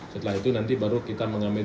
setelah itu nanti baru kita mengambil